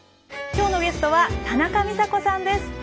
今日のゲストは田中美佐子さんです。